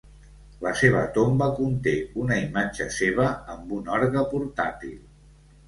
La seva tomba conté una imatge seva amb un orgue portàtil.